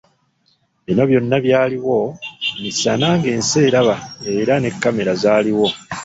Bino byonna byaliwo misana ng'ensi eraba era ne kkamera zaaliwo.